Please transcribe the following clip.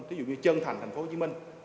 thí dụ như trân thành thành phố hồ chí minh